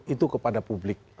itu kepada publik